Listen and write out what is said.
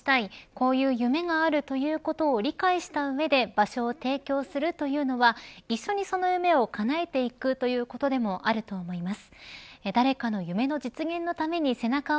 こういう夢があるということを理解した上で場所を提供するというのは一緒にその夢をかなえていくトヨタイムズの富川悠太です